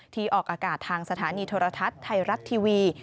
ออกอากาศทางสถานีโทรทัศน์ไทยรัฐทีวี